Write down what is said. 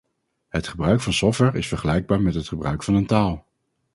Het gebruik van software is vergelijkbaar met het gebruik van een taal.